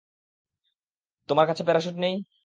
তোমার কাছে প্যারাশ্যুট নেই?